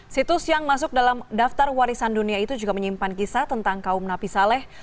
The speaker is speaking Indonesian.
situs yang masuk dalam daftar warisan dunia itu juga menyimpan kisah tentang kaum napi saleh